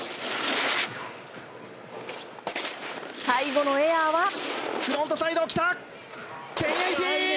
最後のエアは。